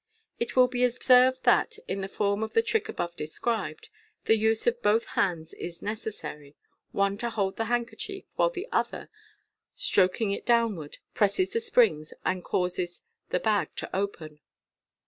It will be observed that, in the form of the trick above described, the use of both hands is necessary — one to hold the handkerchief, while the other, stroking it down, presses the springs, and causes the bag to open.